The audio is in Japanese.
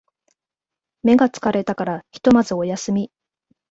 目が疲れたからひとまずお休み